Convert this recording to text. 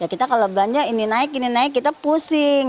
kita kalau belanja ini naik ini naik kita pusing